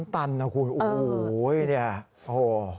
๓ตันนะคุณโอ้โฮ